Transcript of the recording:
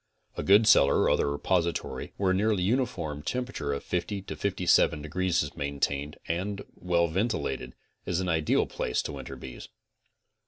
A. good cellar or other repository where a nearly uniform tempera ture of 50 to 57 degrees is maintained, and well ventilated, is an ideal place to winter bees.